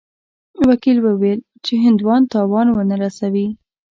وکیل وویل چې هندوان تاوان ونه رسوي.